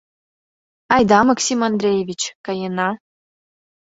Айда, Максим Андреевич, каена.